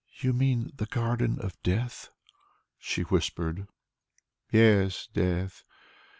"You mean the Garden of Death," she whispered. "Yes, death.